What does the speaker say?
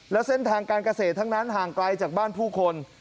แล้วเส้นทางการเกษตรทั้งนั้นห่างไกลจากบ้านผู้คน